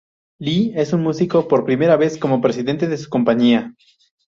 Lee es un músico por primera vez como presidente de su compañía.